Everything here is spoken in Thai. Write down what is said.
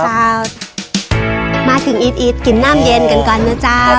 หน้ามาอิดอิดน่ามเย็นกันก่อนนะจ้าว